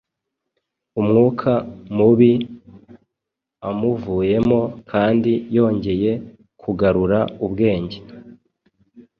Umwuka mubi amuvuyemo kandi yongeye kugarura ubwenge;